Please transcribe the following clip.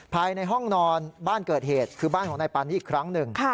ภายในห้องนอนบ้านเกิดเหตุคือบ้านของนายปานีอีกครั้งหนึ่ง